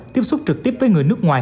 tiếp xúc trực tiếp với người nước ngoài